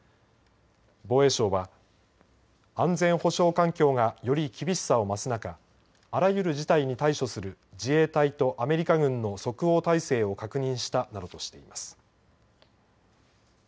防衛省は安全保障環境がより厳しさを増す中あらゆる事態に対処する自衛隊とアメリカ軍の即応態勢を確認したなどとしています。